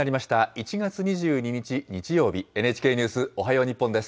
１月２２日日曜日、ＮＨＫニュースおはよう日本です。